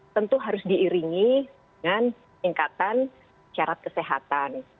tentu harus diiringi dengan tingkatan syarat kesehatan